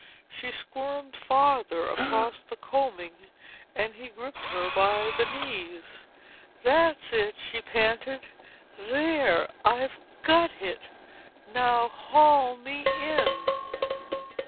She squirmed farther across the coaming and he gripped her by the knees. "That's it," she panted. "There—I've got it! Now haul me in."